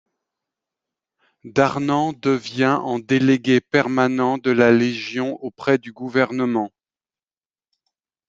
Darnand devient en délégué permanent de la Légion auprès du gouvernement.